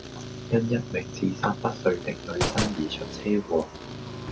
因一名自殺不遂的女生而出車禍